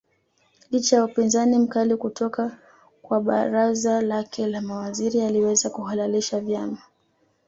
Licha ya upinzani mkali kutoka kwa baraza lake la mawaziri aliweza kuhalalisha vyama